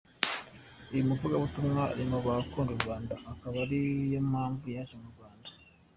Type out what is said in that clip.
Uyu muvugabutumwa ari mu bakunda u Rwanda, akaba ari yo mpamvu yaje mu Rwanda.